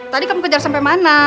tadi kamu kejar sampai mana